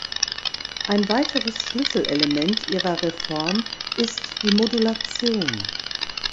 Ein weiteres Schlüsselelement Ihrer Reform ist die Modulation.